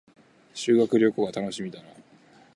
修学旅行が楽しみだな